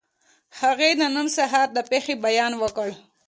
هغې د نن سهار د پېښې بیان وکړ